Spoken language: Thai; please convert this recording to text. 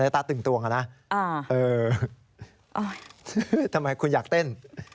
ตาตุ่งตวงเท่ามัยคุณอยากเต้น